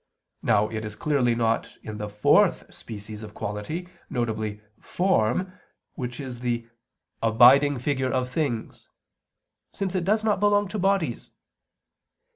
Now it is clearly not in the fourth species of quality; viz. form which is the "abiding figure of things," since it does not belong to bodies.